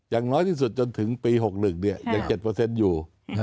อย่างน้อยที่สุดจนถึงปี๖๑ยัง๗อยู่